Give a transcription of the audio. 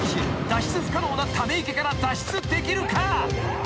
脱出不可能なため池から脱出できるか？］